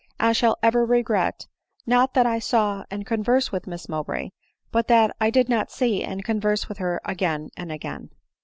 "I shall ever regret, not that I saw and conversed with Miss Mow bray, but that I did not see and converse with her again and again."